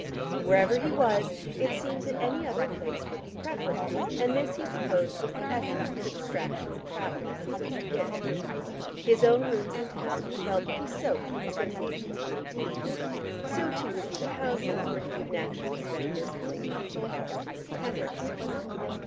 Wherever he was, it seemed that any other place would be preferable, and this he supposed was the essence of the distraction that travel is supposed to give. His own rooms in town he felt would be soaked with associations of Nadine, so too would be the houses where he would naturally spend those coming months of August and September.